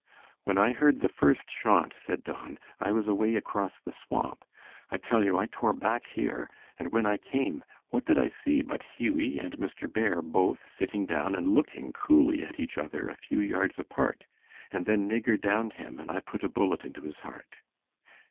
"When I heard the first shot," said Don, "I was away across the swamp. I tell you I tore back here, and when I came, what did I see but Hughie and Mr. Bear both sitting down and looking coolly at each other a few yards apart. And then Nigger downed him and I put a bullet into his heart."